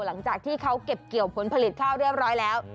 หลังจากที่เขาเก็บเกี่ยวผลผลิตข้าวเรียบร้อยแล้ว